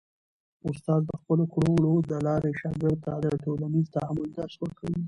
استاد د خپلو کړو وړو د لارې شاګرد ته د ټولنیز تعامل درس ورکوي.